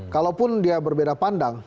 kalaupun dia berbeda pandang